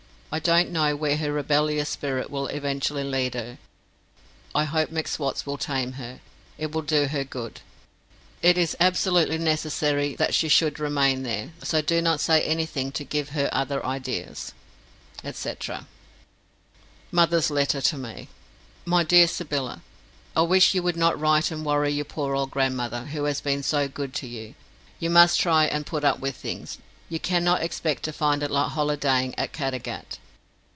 I don't know where her rebellious spirit will eventually lead her. I hope M'Swat's will tame her; it will do her good. It is absolutely necessary that she should remain there, so do not say anything to give her other ideas &c. Mother's Letter to Me MY DEAR SYBYLLA, I wish you would not write and worry your poor old grandmother, who has been so good to you. You must try and put up with things; you cannot expect to find it like holidaying at Caddagat.